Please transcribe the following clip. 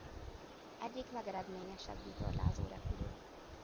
Egyik legeredményesebb vitorlázórepülő.